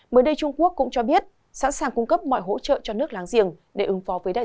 mới đây trung quốc cũng cho biết sẵn sàng cung cấp mọi hỗ trợ cho nước láng giềng để ứng phó với đại dịch